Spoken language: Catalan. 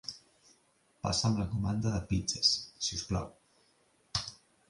Passa'm la comanda de pizzes, si us plau.